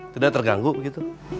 tidak terganggu begitu